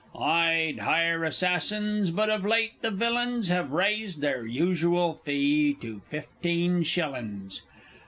I'd hire assassins but of late the villains Have raised their usual fee to fifteen shillin's!